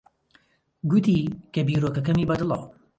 گوتی کە بیرۆکەکەمی بەدڵە.